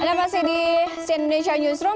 ada pasti di sien indonesia newsroom